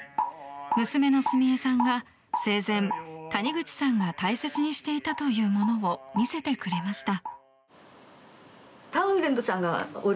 娘の澄江さんが生前、谷口さんが大切にしていたというものを見せてくれました。